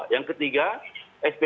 yang ketiga sp tiga